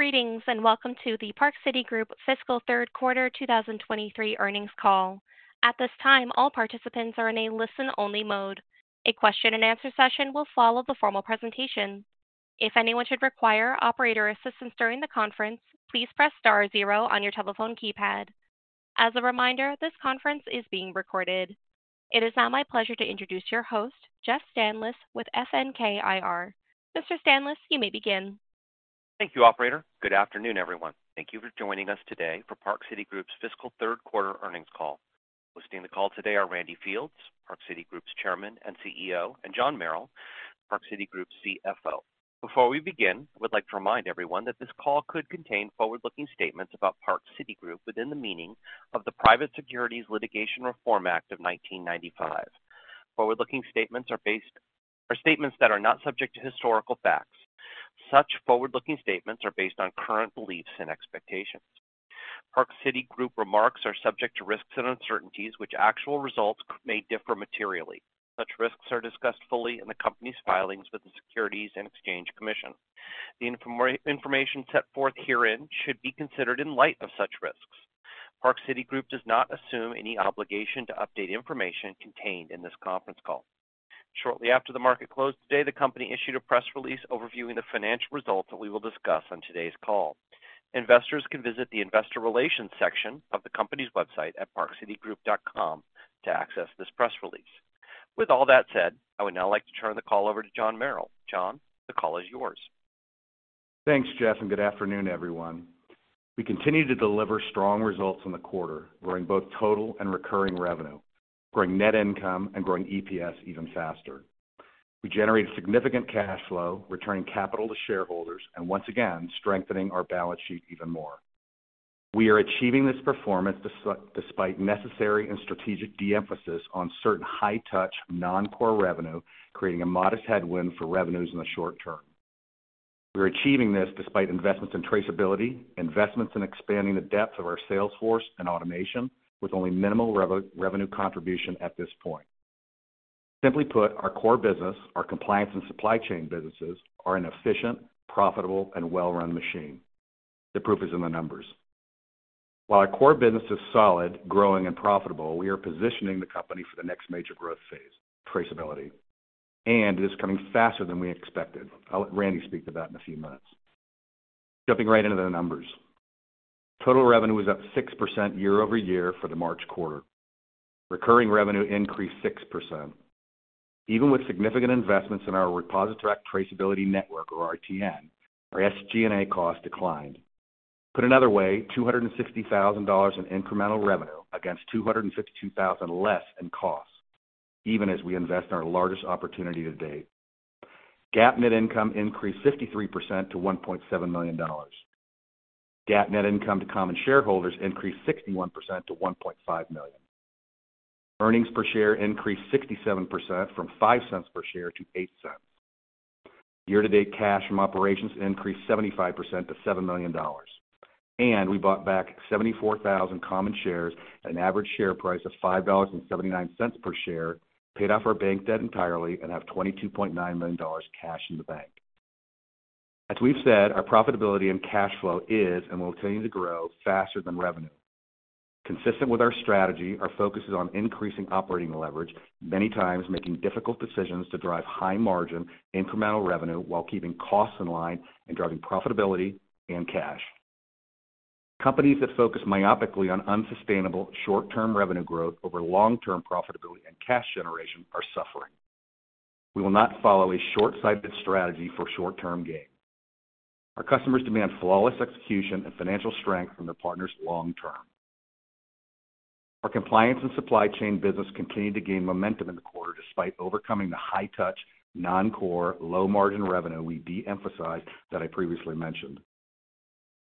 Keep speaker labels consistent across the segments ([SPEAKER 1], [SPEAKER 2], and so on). [SPEAKER 1] Greetings, and welcome to the Park City Group fiscal Q3 2023 earnings call. At this time, all participants are in a listen-only mode. A question and answer session will follow the formal presentation. If anyone should require operator assistance during the conference, please press star zero on your telephone keypad. As a reminder, this conference is being recorded. It is now my pleasure to introduce your host, Jeff Stanlis with FNK IR. Mr. Stanlis, you may begin.
[SPEAKER 2] Thank you, operator. Good afternoon, everyone. Thank you for joining us today for Park City Group's fiscal third quarter earnings call. Hosting the call today are Randy Fields, Park City Group's Chairman and CEO, and John Merrill, Park City Group's CFO. Before we begin, I would like to remind everyone that this call could contain forward-looking statements about Park City Group within the meaning of the Private Securities Litigation Reform Act of 1995. Forward-looking statements are statements that are not subject to historical facts. Such forward-looking statements are based on current beliefs and expectations. Park City Group remarks are subject to risks and uncertainties, which actual results may differ materially. Such risks are discussed fully in the company's filings with the Securities and Exchange Commission. Information set forth herein should be considered in light of such risks. Park City Group does not assume any obligation to update information contained in this conference call. Shortly after the market closed today, the company issued a press release overviewing the financial results that we will discuss on today's call. Investors can visit the investor relations section of the company's website at parkcitygroup.com to access this press release. With all that said, I would now like to turn the call over to John Merrill. John, the call is yours.
[SPEAKER 3] Thanks, Jeff, and good afternoon, everyone. We continue to deliver strong results in the quarter, growing both total and recurring revenue, growing net income, and growing EPS even faster. We generated significant cash flow, returning capital to shareholders, and once again, strengthening our balance sheet even more. We are achieving this performance despite necessary and strategic de-emphasis on certain high-touch, non-core revenue, creating a modest headwind for revenues in the short term. We're achieving this despite investments in traceability, investments in expanding the depth of our sales force and automation with only minimal revenue contribution at this point. Simply put, our core business, our compliance and supply chain businesses, are an efficient, profitable, and well-run machine. The proof is in the numbers. While our core business is solid, growing, and profitable, we are positioning the company for the next major growth phase: traceability. It is coming faster than we expected. I'll let Randy speak to that in a few minutes. Jumping right into the numbers. Total revenue was up 6% year-over-year for the March quarter. Recurring revenue increased 6%. Even with significant investments in our ReposiTrak Traceability Network, or RTN, our SG&A costs declined. Put another way, $260,000 in incremental revenue against $252,000 less in costs, even as we invest in our largest opportunity to date. GAAP net income increased 53% to $1.7 million. GAAP net income to common shareholders increased 61% to $1.5 million. Earnings per share increased 67% from $0.05 per share to $0.08. Year-to-date cash from operations increased 75% to $7 million. We bought back 74,000 common shares at an average share price of $5.79 per share, paid off our bank debt entirely, and have $22.9 million cash in the bank. As we've said, our profitability and cash flow is and will continue to grow faster than revenue. Consistent with our strategy, our focus is on increasing operating leverage, many times making difficult decisions to drive high margin incremental revenue while keeping costs in line and driving profitability and cash. Companies that focus myopically on unsustainable short-term revenue growth over long-term profitability and cash generation are suffering. We will not follow a short-sighted strategy for short-term gain. Our customers demand flawless execution and financial strength from their partners long term. Our compliance and supply chain business continued to gain momentum in the quarter despite overcoming the high touch, non-core, low margin revenue we de-emphasized that I previously mentioned.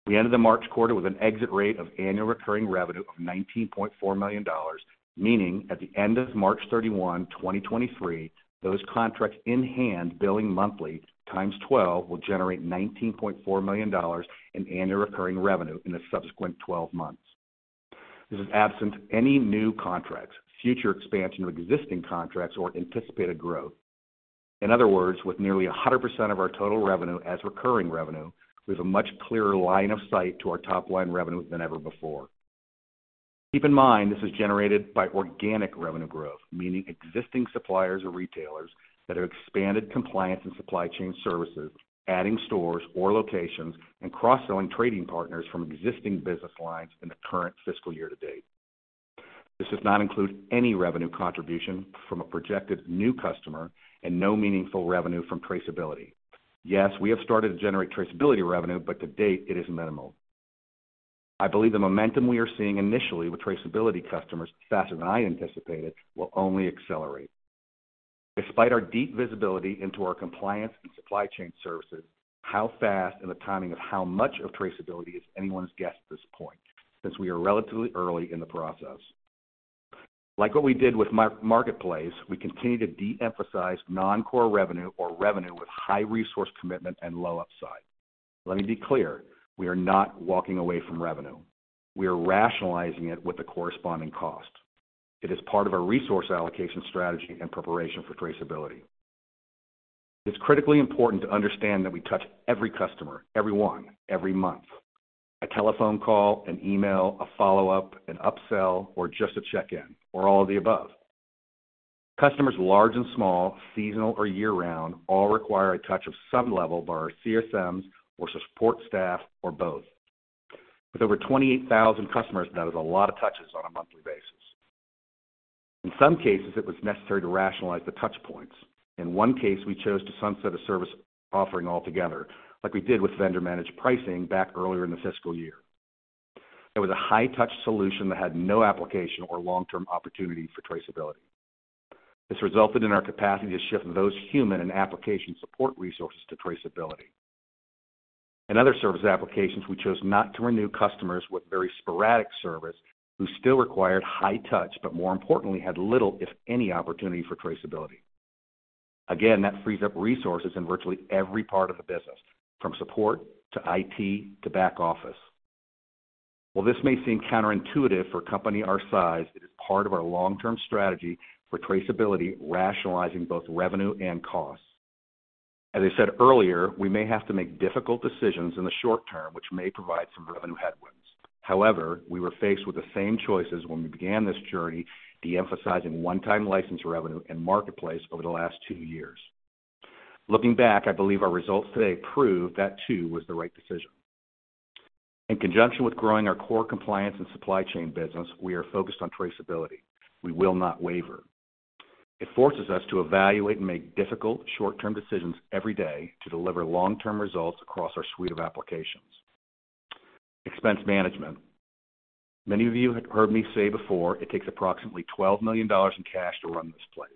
[SPEAKER 3] We ended the March quarter with an exit rate of annual recurring revenue of $19.4 million, meaning at the end of March 31, 2023, those contracts in hand billing monthly times 12 will generate $19.4 million in annual recurring revenue in the subsequent 12 months. This is absent any new contracts, future expansion of existing contracts, or anticipated growth. In other words, with nearly 100% of our total revenue as recurring revenue, we have a much clearer line of sight to our top-line revenue than ever before. Keep in mind, this is generated by organic revenue growth, meaning existing suppliers or retailers that have expanded compliance and supply chain services, adding stores or locations, and cross-selling trading partners from existing business lines in the current fiscal year to date. This does not include any revenue contribution from a projected new customer and no meaningful revenue from traceability. We have started to generate traceability revenue, but to date, it is minimal. I believe the momentum we are seeing initially with traceability customers faster than I anticipated will only accelerate. Despite our deep visibility into our compliance and supply chain services, how fast and the timing of how much of traceability is anyone's guess at this point, since we are relatively early in the process. Like what we did with ReposiTrak MarketPlace, we continue to de-emphasize non-core revenue or revenue with high resource commitment and low upside. Let me be clear, we are not walking away from revenue. We are rationalizing it with the corresponding cost. It is part of our resource allocation strategy and preparation for traceability. It's critically important to understand that we touch every customer, every one, every month. A telephone call, an email, a follow-up, an upsell, or just a check-in, or all of the above. Customers large and small, seasonal or year-round, all require a touch of some level by our CSMs or support staff or both. With over 28,000 customers, that is a lot of touches on a monthly basis. In some cases, it was necessary to rationalize the touch points. In one case, we chose to sunset a service offering altogether, like we did with Vendor Managed Pricing back earlier in the fiscal year. It was a high-touch solution that had no application or long-term opportunity for traceability. This resulted in our capacity to shift those human and application support resources to traceability. In other service applications, we chose not to renew customers with very sporadic service who still required high touch, but more importantly, had little, if any, opportunity for traceability. That frees up resources in virtually every part of the business, from support to IT to back office. While this may seem counterintuitive for a company our size, it is part of our long-term strategy for traceability, rationalizing both revenue and costs. As I said earlier, we may have to make difficult decisions in the short term, which may provide some revenue headwinds. We were faced with the same choices when we began this journey, de-emphasizing one-time license revenue and MarketPlace over the last two years. Looking back, I believe our results today prove that too was the right decision. In conjunction with growing our core compliance and supply chain business, we are focused on traceability. We will not waver. It forces us to evaluate and make difficult short-term decisions every day to deliver long-term results across our suite of applications. Expense management. Many of you have heard me say before, it takes approximately $12 million in cash to run this place.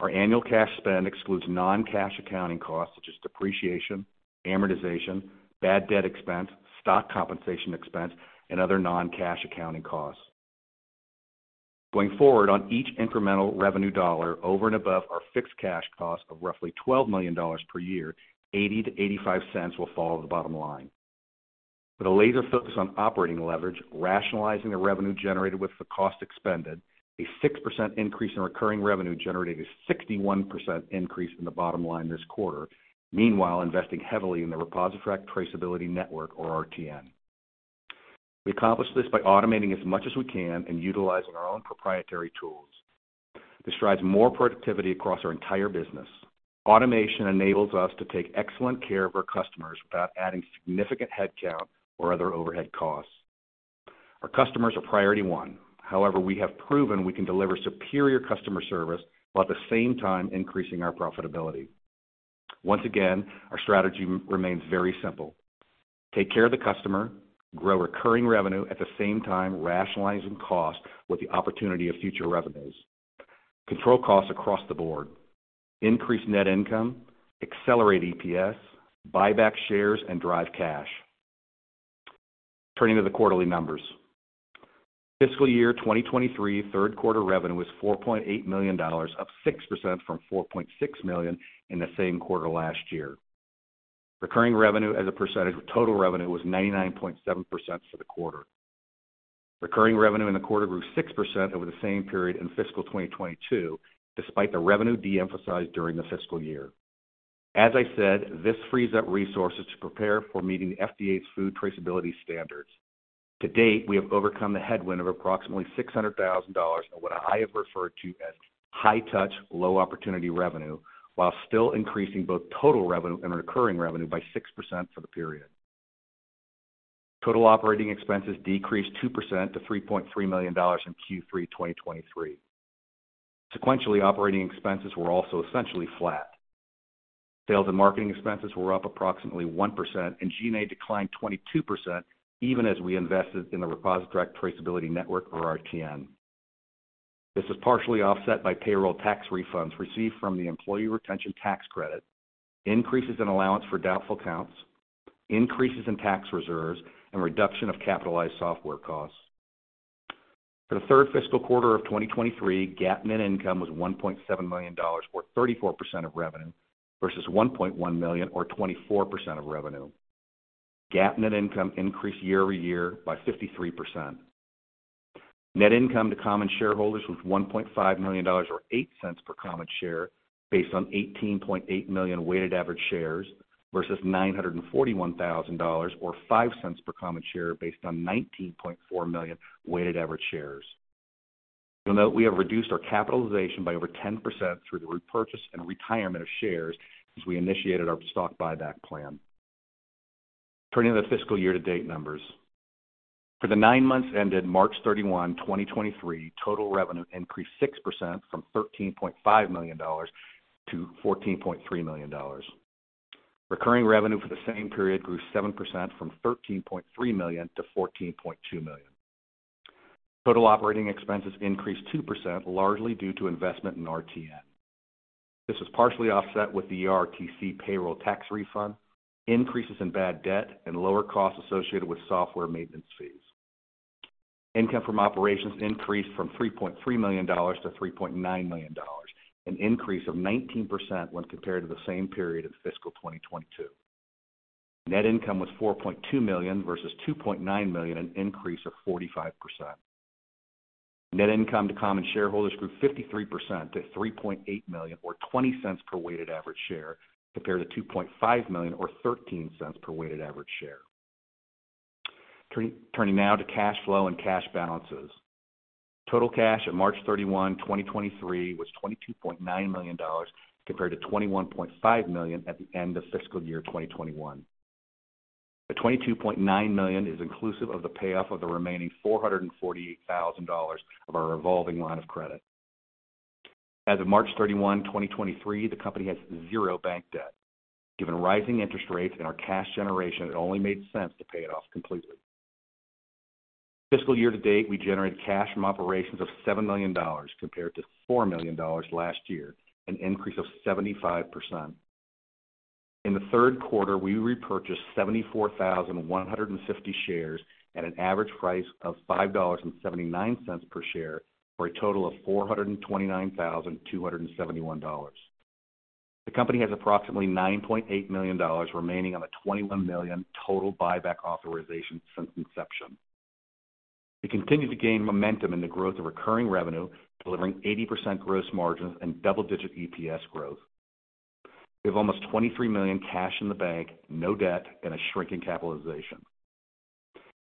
[SPEAKER 3] Our annual cash spend excludes non-cash accounting costs, such as depreciation, amortization, bad debt expense, stock compensation expense, and other non-cash accounting costs. Going forward, on each incremental revenue dollar over and above our fixed cash cost of roughly $12 million per year, $0.80-$0.85 will fall at the bottom line. With a laser focus on operating leverage, rationalizing the revenue generated with the cost expended, a 6% increase in recurring revenue generated a 61% increase in the bottom line this quarter, meanwhile investing heavily in the ReposiTrak Traceability Network, or RTN. We accomplish this by automating as much as we can and utilizing our own proprietary tools. This drives more productivity across our entire business. Automation enables us to take excellent care of our customers without adding significant headcount or other overhead costs. Our customers are priority 1. However, we have proven we can deliver superior customer service while at the same time increasing our profitability. Once again, our strategy remains very simple. Take care of the customer, grow recurring revenue at the same time rationalizing costs with the opportunity of future revenues. Control costs across the board. Increase net income. Accelerate EPS. Buy back shares and drive cash. Turning to the quarterly numbers. Fiscal year 2023 third quarter revenue was $4.8 million, up 6% from $4.6 million in the same quarter last year. Recurring revenue as a percentage of total revenue was 99.7% for the quarter. Recurring revenue in the quarter grew 6% over the same period in fiscal 2022, despite the revenue de-emphasized during the fiscal year. As I said, this frees up resources to prepare for meeting FDA's food traceability standards. To date, we have overcome the headwind of approximately $600,000 in what I have referred to as high-touch, low-opportunity revenue while still increasing both total revenue and recurring revenue by 6% for the period. Total operating expenses decreased 2% to $3.3 million in Q3 2023. Sequentially, operating expenses were also essentially flat. Sales and marketing expenses were up approximately 1%. G&A declined 22%, even as we invested in the ReposiTrak Traceability Network or RTN. This was partially offset by payroll tax refunds received from the Employee Retention Tax Credit, increases in allowance for doubtful accounts, increases in tax reserves, and reduction of capitalized software costs. For the third fiscal quarter of 2023, GAAP net income was $1.7 million, or 34% of revenue, versus $1.1 million or 24% of revenue. GAAP net income increased year-over-year by 53%. Net income to common shareholders was $1.5 million, or $0.08 per common share, based on 18.8 million weighted average shares, versus $941,000, or $0.05 per common share, based on 19.4 million weighted average shares. You'll note we have reduced our capitalization by over 10% through the repurchase and retirement of shares as we initiated our stock buyback plan. Turning to the fiscal year-to-date numbers. For the nine months ended March 31, 2023, total revenue increased 6% from $13.5 million to $14.3 million. Recurring revenue for the same period grew 7% from $13.3 million to $14.2 million. Total operating expenses increased 2%, largely due to investment in RTN. This was partially offset with the ERTC payroll tax refund, increases in bad debt, and lower costs associated with software maintenance fees. Income from operations increased from $3.3 million-$3.9 million, an increase of 19% when compared to the same period of fiscal 2022. Net income was $4.2 million versus $2.9 million, an increase of 45%. Net income to common shareholders grew 53% to $3.8 million or $0.20 per weighted average share, compared to $2.5 million or $0.13 per weighted average share. Turning now to cash flow and cash balances. Total cash at March 31, 2023 was $22.9 million compared to $21.5 million at the end of fiscal year 2021. The $22.9 million is inclusive of the payoff of the remaining $448,000 of our revolving line of credit. As of March 31, 2023, the company has zero bank debt. Given rising interest rates and our cash generation, it only made sense to pay it off completely. Fiscal year to date, we generated cash from operations of $7 million, compared to $4 million last year, an increase of 75%. In the third quarter, we repurchased 74,150 shares at an average price of $5.79 per share, for a total of $429,271. The company has approximately $9.8 million remaining on the $21 million total buyback authorization since inception. We continue to gain momentum in the growth of recurring revenue, delivering 80% gross margins and double-digit EPS growth. We have almost $23 million cash in the bank, no debt, and a shrinking capitalization.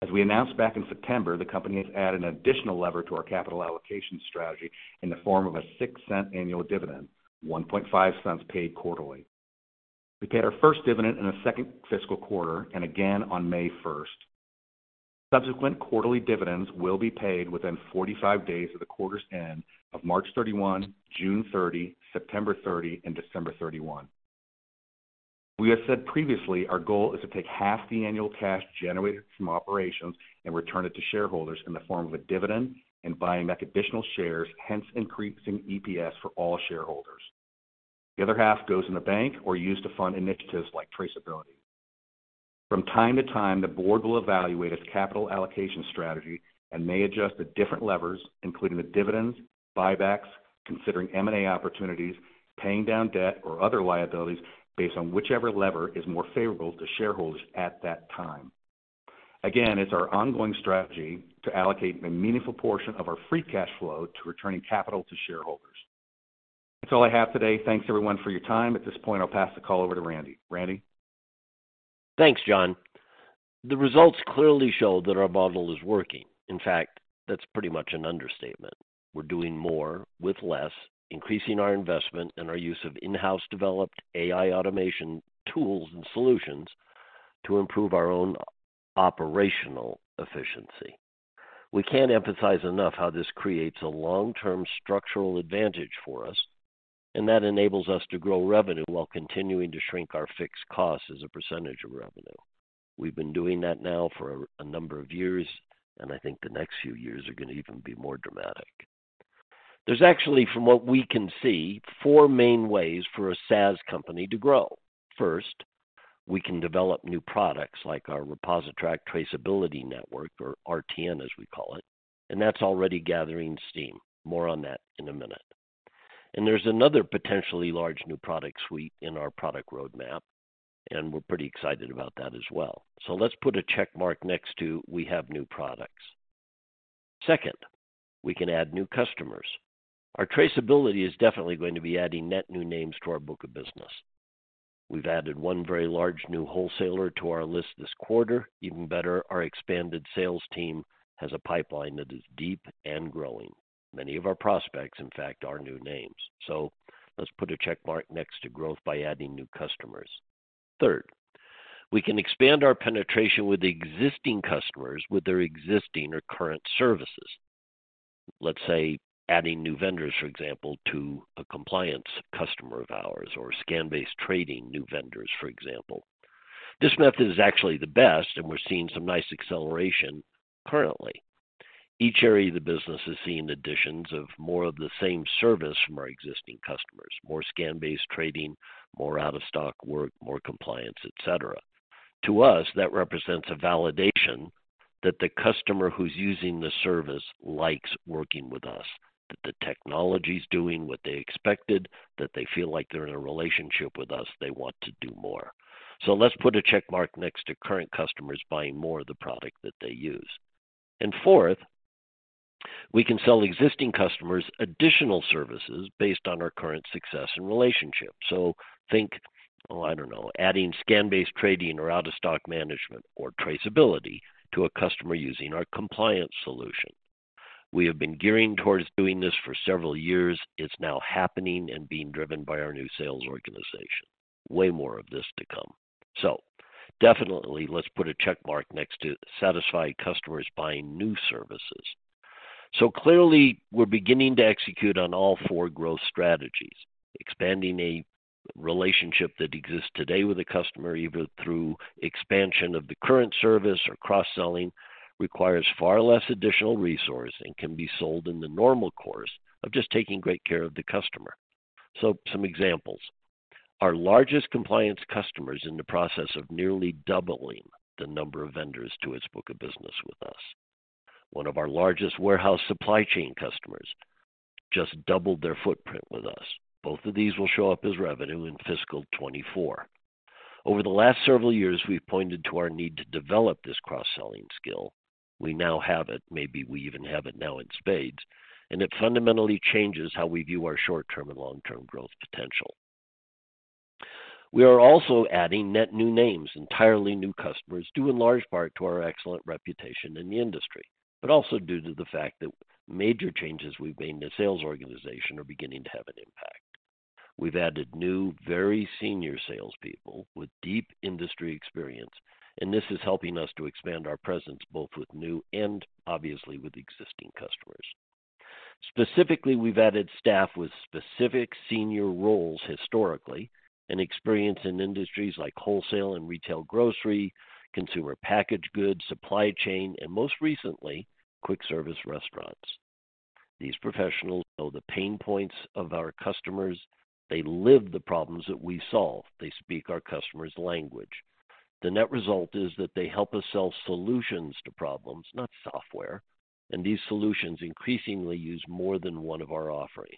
[SPEAKER 3] As we announced back in September, the company has added an additional lever to our capital allocation strategy in the form of a $0.06 annual dividend, $0.015 paid quarterly. We paid our 1st dividend in the 2nd fiscal quarter and again on May 1st. Subsequent quarterly dividends will be paid within 45 days of the quarter's end of March 31, June 30, September 30, and December 31. We have said previously our goal is to take half the annual cash generated from operations and return it to shareholders in the form of a dividend and buying back additional shares, hence increasing EPS for all shareholders. The other half goes in the bank or used to fund initiatives like traceability. From time to time, the board will evaluate its capital allocation strategy and may adjust the different levers, including the dividends, buybacks, considering M&A opportunities, paying down debt or other liabilities based on whichever lever is more favorable to shareholders at that time. Again, it's our ongoing strategy to allocate a meaningful portion of our free cash flow to returning capital to shareholders. That's all I have today. Thanks everyone for your time. At this point, I'll pass the call over to Randy. Randy?
[SPEAKER 4] Thanks, John. The results clearly show that our model is working. In fact, that's pretty much an understatement. We're doing more with less, increasing our investment and our use of in-house developed AI automation tools and solutions to improve our own operational efficiency. We can't emphasize enough how this creates a long-term structural advantage for us. That enables us to grow revenue while continuing to shrink our fixed costs as a % of revenue. We've been doing that now for a number of years. I think the next few years are going to even be more dramatic. There's actually, from what we can see, four main ways for a SaaS company to grow. First, we can develop new products like our ReposiTrak Traceability Network, or RTN, as we call it. That's already gathering steam. More on that in a minute. There's another potentially large new product suite in our product roadmap, and we're pretty excited about that as well. Let's put a check mark next to we have new products. Second, we can add new customers. Our traceability is definitely going to be adding net new names to our book of business. We've added one very large new wholesaler to our list this quarter. Even better, our expanded sales team has a pipeline that is deep and growing. Many of our prospects, in fact, are new names. Let's put a check mark next to growth by adding new customers. Third, we can expand our penetration with existing customers with their existing or current services. Let's say adding new vendors, for example, to a compliance customer of ours or Scan-Based Trading new vendors, for example. This method is actually the best, and we're seeing some nice acceleration currently. Each area of the business is seeing additions of more of the same service from our existing customers, more Scan-Based Trading, more out-of-stock work, more compliance, et cetera. To us, that represents a validation that the customer who's using the service likes working with us, that the technology's doing what they expected, that they feel like they're in a relationship with us. They want to do more. Let's put a check mark next to current customers buying more of the product that they use. Fourth, we can sell existing customers additional services based on our current success and relationship. Think, oh, I don't know, adding Scan-Based Trading or Out-of-Stock Management or traceability to a customer using our compliance solution. We have been gearing towards doing this for several years. It's now happening and being driven by our new sales organization. Way more of this to come. Definitely let's put a check mark next to satisfied customers buying new services. Clearly, we're beginning to execute on all four growth strategies. Expanding a relationship that exists today with a customer, either through expansion of the current service or cross-selling, requires far less additional resource and can be sold in the normal course of just taking great care of the customer. Some examples. Our largest compliance customer is in the process of nearly doubling the number of vendors to its book of business with us. One of our largest warehouse supply chain customers just doubled their footprint with us. Both of these will show up as revenue in fiscal 2024. Over the last several years, we've pointed to our need to develop this cross-selling skill. We now have it. Maybe we even have it now in spades, and it fundamentally changes how we view our short-term and long-term growth potential. We are also adding net new names, entirely new customers, due in large part to our excellent reputation in the industry, but also due to the fact that major changes we've made in the sales organization are beginning to have an impact. We've added new, very senior salespeople with deep industry experience, and this is helping us to expand our presence both with new and obviously with existing customers. Specifically, we've added staff with specific senior roles historically and experience in industries like wholesale and retail grocery, consumer packaged goods, supply chain, and most recently, quick service restaurants. These professionals know the pain points of our customers. They live the problems that we solve. They speak our customers' language. The net result is that they help us sell solutions to problems, not software, and these solutions increasingly use more than one of our offerings.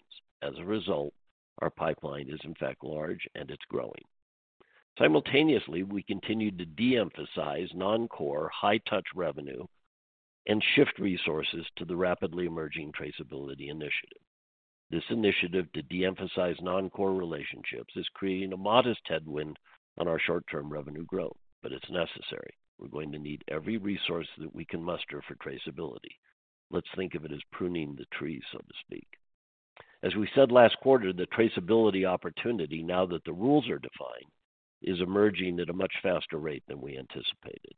[SPEAKER 4] Simultaneously, we continue to de-emphasize non-core, high-touch revenue and shift resources to the rapidly emerging traceability initiative. This initiative to de-emphasize non-core relationships is creating a modest headwind on our short-term revenue growth. It's necessary. We're going to need every resource that we can muster for traceability. Let's think of it as pruning the tree, so to speak. As we said last quarter, the traceability opportunity, now that the rules are defined, is emerging at a much faster rate than we anticipated.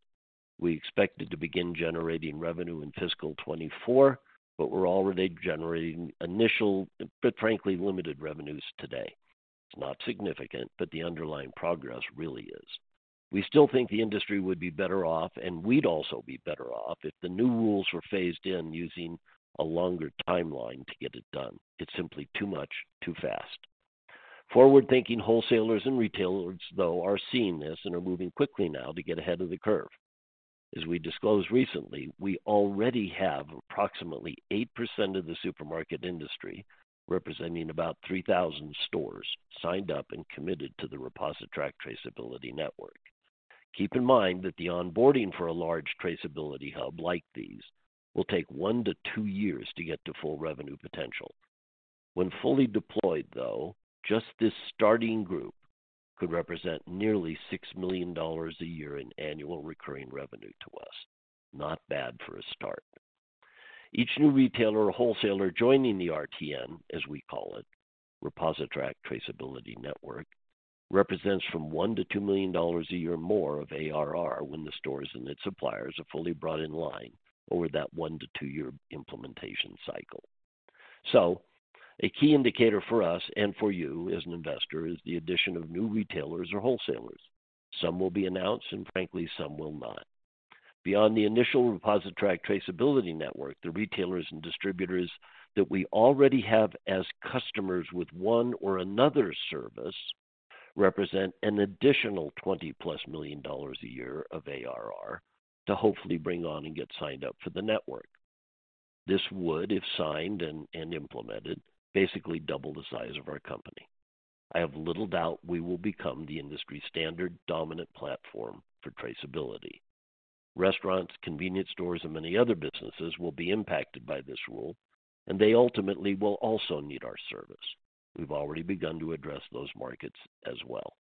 [SPEAKER 4] We expected to begin generating revenue in fiscal 2024. We're already generating initial, but frankly limited revenues today. It's not significant. The underlying progress really is. We still think the industry would be better off, and we'd also be better off, if the new rules were phased in using a longer timeline to get it done. It's simply too much, too fast. Forward-thinking wholesalers and retailers, though, are seeing this and are moving quickly now to get ahead of the curve. As we disclosed recently, we already have approximately 8% of the supermarket industry, representing about 3,000 stores, signed up and committed to the ReposiTrak Traceability Network. Keep in mind that the onboarding for a large traceability hub like these will take one to two years to get to full revenue potential. When fully deployed, though, just this starting group could represent nearly $6 million a year in annual recurring revenue to us. Not bad for a start. Each new retailer or wholesaler joining the RTN, as we call it, ReposiTrak Traceability Network, represents from $1 million to $2 million a year more of ARR when the stores and its suppliers are fully brought in line over that one to two year implementation cycle. A key indicator for us and for you as an investor is the addition of new retailers or wholesalers. Some will be announced and frankly, some will not. Beyond the initial ReposiTrak Traceability Network, the retailers and distributors that we already have as customers with one or another service represent an additional $20+ million a year of ARR to hopefully bring on and get signed up for the network. This would, if signed and implemented, basically double the size of our company. I have little doubt we will become the industry standard dominant platform for traceability. Restaurants, convenience stores, many other businesses will be impacted by this rule and they ultimately will also need our service. We've already begun to address those markets as well.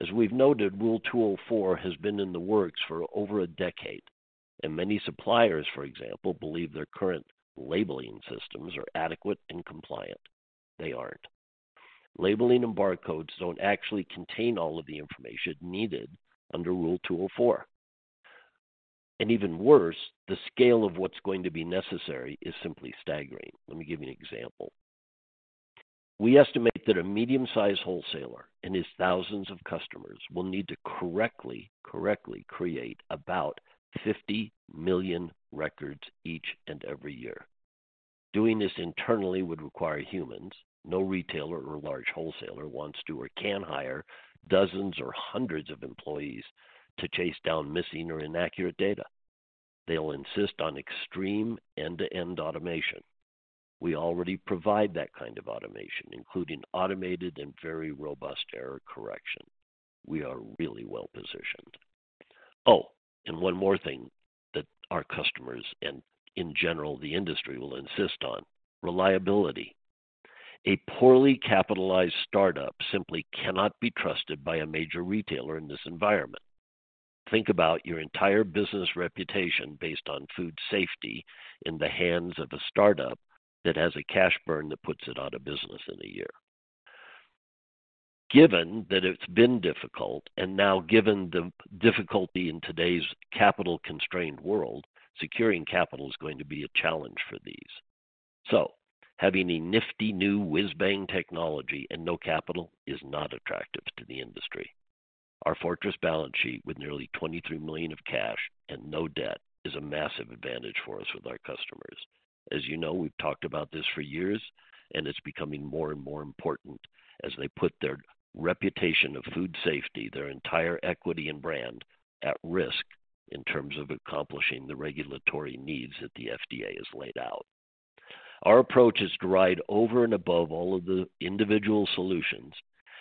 [SPEAKER 4] As we've noted, Rule 204 has been in the works for over a decade and many suppliers, for example, believe their current labeling systems are adequate and compliant. They aren't. Labeling and barcodes don't actually contain all of the information needed under Rule 204. Even worse, the scale of what's going to be necessary is simply staggering. Let me give you an example. We estimate that a medium-sized wholesaler and his thousands of customers will need to correctly create about 50 million records each and every year. Doing this internally would require humans. No retailer or large wholesaler wants to or can hire dozens or hundreds of employees to chase down missing or inaccurate data. They'll insist on extreme end-to-end automation. We already provide that kind of automation, including automated and very robust error correction. We are really well positioned. One more thing that our customers and in general the industry will insist on, reliability. A poorly capitalized startup simply cannot be trusted by a major retailer in this environment. Think about your entire business reputation based on food safety in the hands of a startup that has a cash burn that puts it out of business in a year. Given that it's been difficult and now given the difficulty in today's capital-constrained world, securing capital is going to be a challenge for these. Having a nifty new whiz-bang technology and no capital is not attractive to the industry. Our fortress balance sheet with nearly $23 million of cash and no debt is a massive advantage for us with our customers. As you know, we've talked about this for years and it's becoming more and more important as they put their reputation of food safety, their entire equity and brand at risk in terms of accomplishing the regulatory needs that the FDA has laid out. Our approach is to ride over and above all of the individual solutions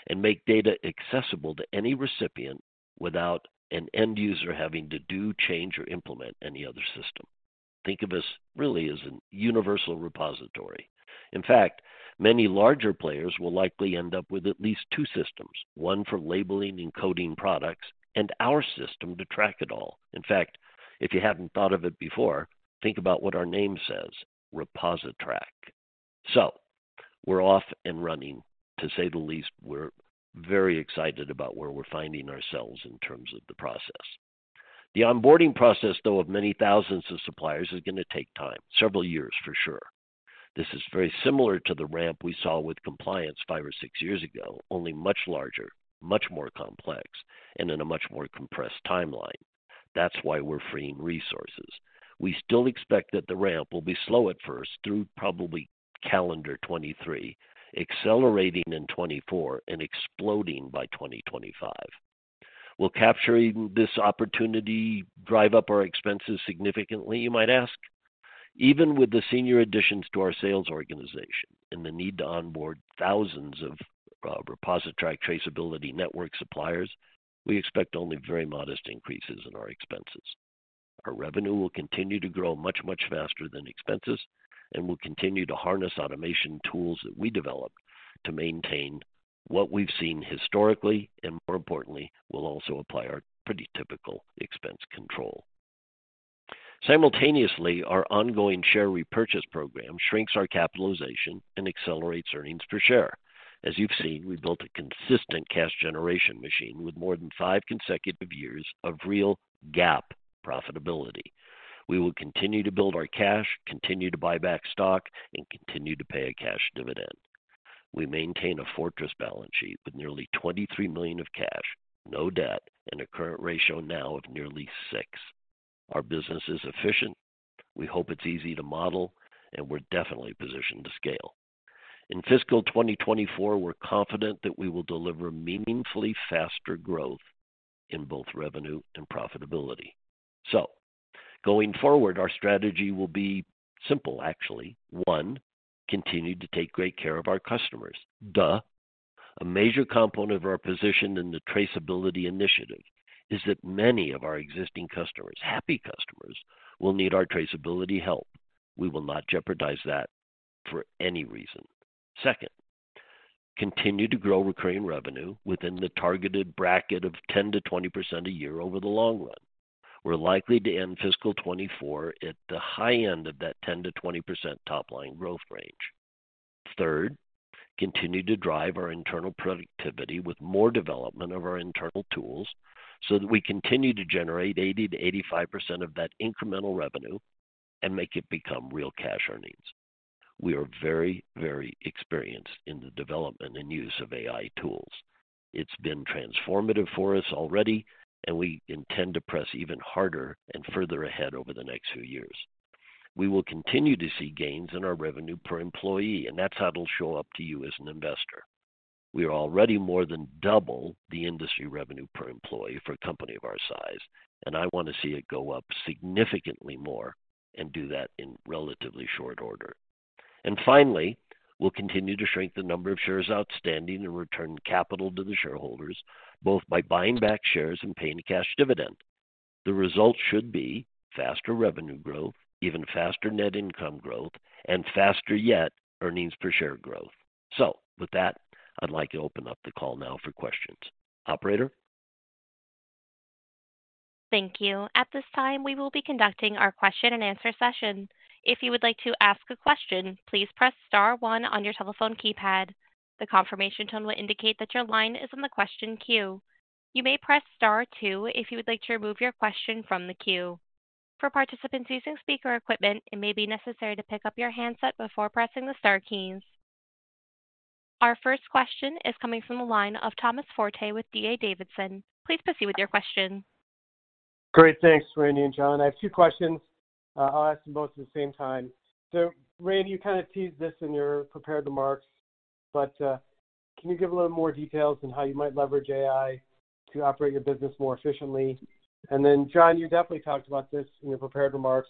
[SPEAKER 4] and make data accessible to any recipient without an end user having to do, change or implement any other system. Think of us really as a universal repository. In fact, many larger players will likely end up with at least two systems, one for labeling and coding products, and our system to track it all. In fact, if you haven't thought of it before, think about what our name says, ReposiTrak. We're off and running. To say the least, we're very excited about where we're finding ourselves in terms of the process. The onboarding process, though, of many thousands of suppliers is going to take time, several years for sure. This is very similar to the ramp we saw with compliance five or six years ago, only much larger, much more complex, and in a much more compressed timeline. That's why we're freeing resources. We still expect that the ramp will be slow at first through probably calendar 2023, accelerating in 2024, and exploding by 2025. Will capturing this opportunity drive up our expenses significantly, you might ask? Even with the senior additions to our sales organization and the need to onboard thousands of ReposiTrak Traceability Network suppliers, we expect only very modest increases in our expenses. Our revenue will continue to grow much, much faster than expenses, and we'll continue to harness automation tools that we developed to maintain what we've seen historically, and more importantly, we'll also apply our pretty typical expense control. Simultaneously, our ongoing share repurchase program shrinks our capitalization and accelerates earnings per share. As you've seen, we've built a consistent cash generation machine with more than five consecutive years of real GAAP profitability. We will continue to build our cash, continue to buy back stock, and continue to pay a cash dividend. We maintain a fortress balance sheet with nearly $23 million of cash, no debt, and a current ratio now of nearly 6. Our business is efficient. We hope it's easy to model, and we're definitely positioned to scale. In fiscal 2024, we're confident that we will deliver meaningfully faster growth in both revenue and profitability. Going forward, our strategy will be simple, actually. One, continue to take great care of our customers. Duh. A major component of our position in the traceability initiative is that many of our existing customers, happy customers, will need our traceability help. We will not jeopardize that for any reason. Second, continue to grow recurring revenue within the targeted bracket of 10%-20% a year over the long run. We're likely to end fiscal 2024 at the high end of that 10%-20% top line growth range. Third, continue to drive our internal productivity with more development of our internal tools so that we continue to generate 80%-85% of that incremental revenue and make it become real cash earnings. We are very, very experienced in the development and use of AI tools. It's been transformative for us already, and we intend to press even harder and further ahead over the next few years. We will continue to see gains in our revenue per employee, and that's how it'll show up to you as an investor. We are already more than double the industry revenue per employee for a company of our size, and I want to see it go up significantly more and do that in relatively short order. Finally, we'll continue to shrink the number of shares outstanding and return capital to the shareholders, both by buying back shares and paying a cash dividend. The result should be faster revenue growth, even faster net income growth, and faster yet earnings per share growth. With that, I'd like to open up the call now for questions. Operator?
[SPEAKER 1] Thank you. At this time, we will be conducting our question-and-answer session. If you would like to ask a question, please press star one on your telephone keypad. The confirmation tone will indicate that your line is in the question queue. You may press star two if you would like to remove your question from the queue. For participants using speaker equipment, it may be necessary to pick up your handset before pressing the star keys. Our first question is coming from the line of Thomas Forte with D.A. Davidson. Please proceed with your question.
[SPEAKER 5] Great. Thanks, Randy and John. I have two questions. I'll ask them both at the same time. Randy, you kind of teased this in your prepared remarks, but can you give a little more details on how you might leverage AI to operate your business more efficiently? John, you definitely talked about this in your prepared remarks.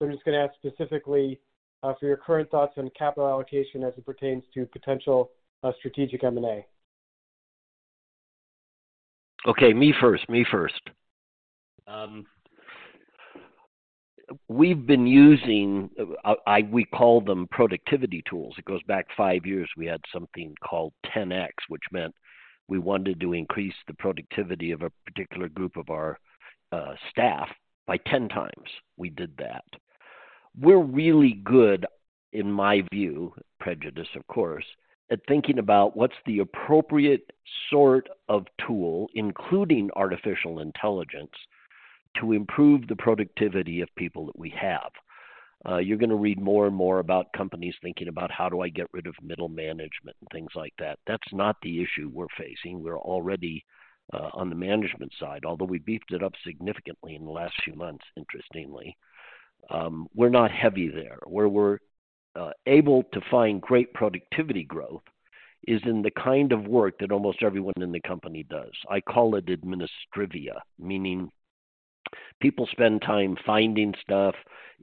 [SPEAKER 5] I'm just going to ask specifically for your current thoughts on capital allocation as it pertains to potential strategic M&A.
[SPEAKER 4] Okay. Me first. Me first. We call them productivity tools. It goes back five years. We had something called ten X, which meant we wanted to increase the productivity of a particular group of our staff by 10 times. We did that. We're really good, in my view, prejudice of course, at thinking about what's the appropriate sort of tool, including artificial intelligence, to improve the productivity of people that we have. You're going to read more and more about companies thinking about how do I get rid of middle management and things like that. That's not the issue we're facing. We're already on the management side, although we beefed it up significantly in the last few months, interestingly. We're not heavy there. Where we're able to find great productivity growth is in the kind of work that almost everyone in the company does. I call it administrivia, meaning people spend time finding stuff.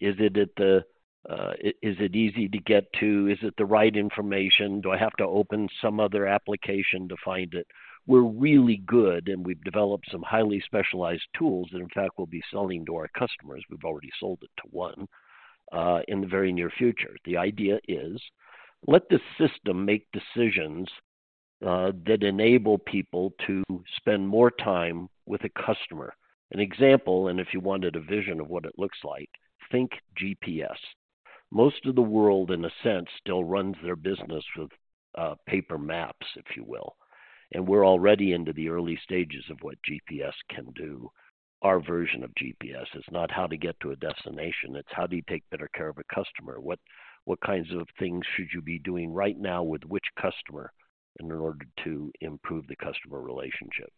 [SPEAKER 4] Is it easy to get to? Is it the right information? Do I have to open some other application to find it? We're really good, and we've developed some highly specialized tools that in fact we'll be selling to our customers. We've already sold it to one in the very near future. The idea is, let the system make decisions that enable people to spend more time with the customer. An example, and if you wanted a vision of what it looks like, think GPS. Most of the world, in a sense, still runs their business with paper maps, if you will. We're already into the early stages of what GPS can do. Our version of GPS is not how to get to a destination, it's how do you take better care of a customer? What kinds of things should you be doing right now with which customer in order to improve the customer relationship?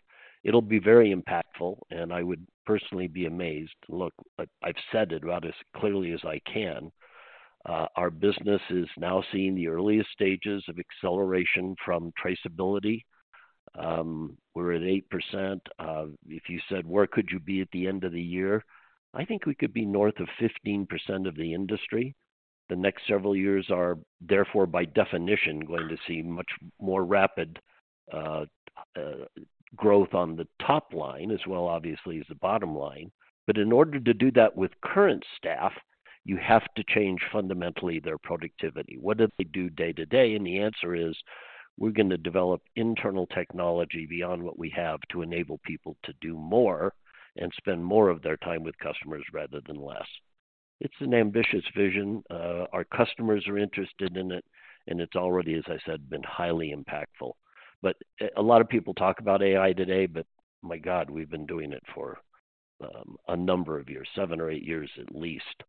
[SPEAKER 4] It'll be very impactful. I would personally be amazed. Look, I've said it about as clearly as I can. Our business is now seeing the earliest stages of acceleration from traceability. We're at 8%. If you said, "Where could you be at the end of the year?" I think we could be north of 15% of the industry. The next several years are therefore by definition going to see much more rapid growth on the top line as well, obviously as the bottom line. In order to do that with current staff, you have to change fundamentally their productivity. What did they do day-to-day? The answer is, we're gonna develop internal technology beyond what we have to enable people to do more and spend more of their time with customers rather than less. It's an ambitious vision. Our customers are interested in it, and it's already, as I said, been highly impactful. A lot of people talk about AI today, but my God, we've been doing it for a number of years, seven or 8 years at least,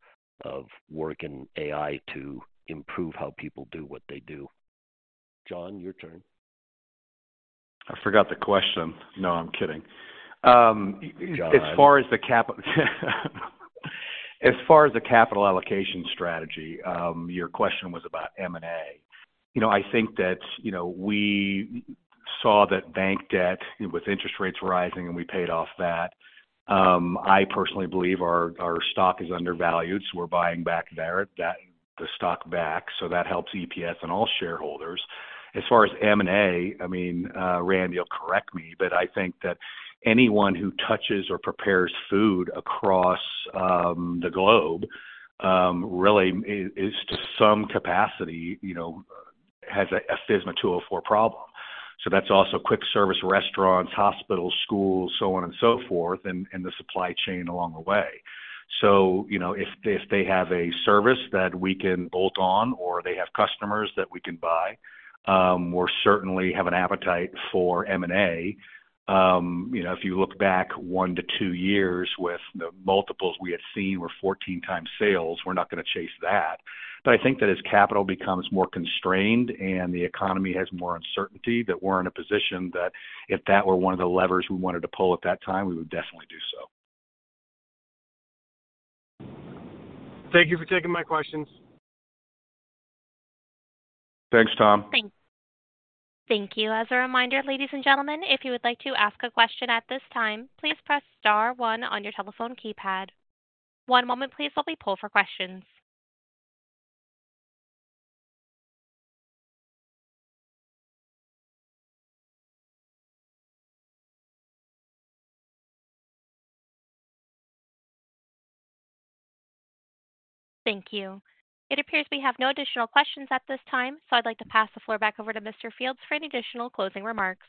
[SPEAKER 4] of work in AI to improve how people do what they do. John, your turn.
[SPEAKER 3] I forgot the question. I'm kidding.
[SPEAKER 4] John.
[SPEAKER 3] As far as the capital allocation strategy, your question was about M&A. You know, I think that, you know, we saw that bank debt with interest rates rising, and we paid off that. I personally believe our stock is undervalued, so we're buying back the stock back. That helps EPS and all shareholders. As far as M&A, I mean, Randy will correct me, but I think that anyone who touches or prepares food across the globe, really is to some capacity, you know, has a FSMA 204 problem. That's also quick service restaurants, hospitals, schools, so on and so forth, and the supply chain along the way. You know, if they have a service that we can bolt on or they have customers that we can buy, we certainly have an appetite for M&A. You know, if you look back one to two years with the multiples we had seen were 14 times sales, we're not gonna chase that. I think that as capital becomes more constrained and the economy has more uncertainty, that we're in a position that if that were one of the levers we wanted to pull at that time, we would definitely do so.
[SPEAKER 5] Thank you for taking my questions.
[SPEAKER 4] Thanks, Tom.
[SPEAKER 1] Thank you. As a reminder, ladies and gentlemen, if you would like to ask a question at this time, please press star 1 on your telephone keypad. One moment please while we poll for questions. Thank you. It appears we have no additional questions at this time, I'd like to pass the floor back over to Mr. Fields for any additional closing remarks.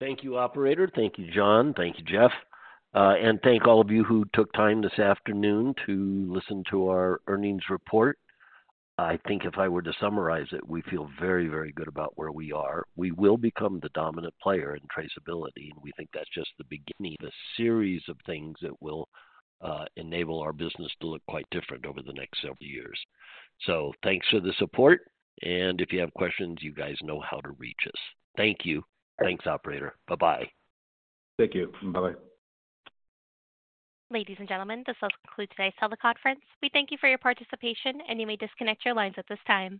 [SPEAKER 4] Thank you, operator. Thank you, John. Thank you, Jeff. Thank all of you who took time this afternoon to listen to our earnings report. I think if I were to summarize it, we feel very, very good about where we are. We will become the dominant player in traceability, and we think that's just the beginning of a series of things that will enable our business to look quite different over the next several years. Thanks for the support, and if you have questions, you guys know how to reach us. Thank you. Thanks, operator. Bye-bye.
[SPEAKER 3] 0Thank you. Bye-bye.
[SPEAKER 1] Ladies and gentlemen, this will conclude today's teleconference. We thank you for your participation. You may disconnect your lines at this time.